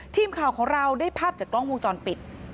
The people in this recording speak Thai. ทีมข่าวของเราได้ภาพจากกล้องวงจรปิด